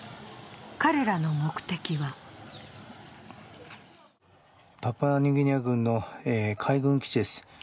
彼らの目的はパプアニューギニア軍の海軍基地です。